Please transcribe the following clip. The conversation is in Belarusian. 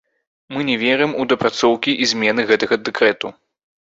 Мы не верым у дапрацоўкі і змены гэтага дэкрэту.